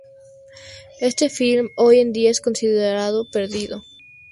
Este film hoy en día se considera perdido.